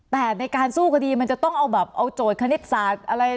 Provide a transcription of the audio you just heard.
แต่ในการสู้คดีมันจะต้องเอาแบบเอาโจทย์คณิตศาสตร์อะไร